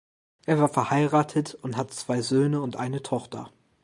Er war verheiratet und hat zwei Söhne und eine Tochter.